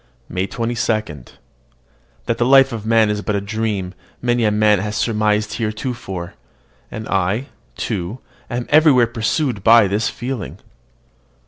MAY 22. That the life of man is but a dream, many a man has surmised heretofore; and I, too, am everywhere pursued by this feeling.